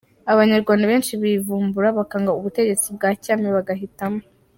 abanyarwanda benshi bivumbura bakanga ubutegetsi bwa cyami bagahitamo